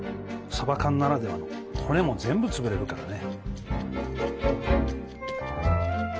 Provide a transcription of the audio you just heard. さば缶ならではの骨も全部つぶれるからね。